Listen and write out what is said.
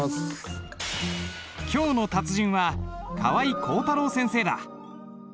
今日の達人は川合広太郎先生だ。